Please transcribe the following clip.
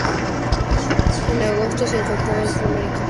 En agosto se incorporó al primer equipo de Mapei-Quick Step.